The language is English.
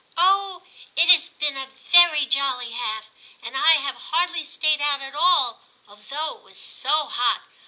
'*'* Oh ! it has been a very jolly half, and I have hardly stayed out at all, although it was so hot.